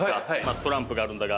トランプがあるんだが。